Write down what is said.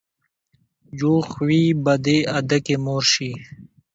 يو خوي به دې ادکې مور شي.